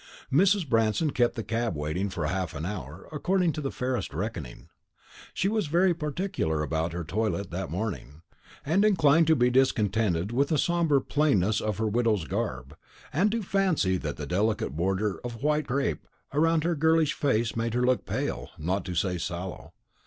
Mrs. Branston kept the cab waiting half an hour, according to the fairest reckoning. She was very particular about her toilette that morning, and inclined to be discontented with the sombre plainness of her widow's garb, and to fancy that the delicate border of white crape round her girlish face made her look pale, not to say sallow.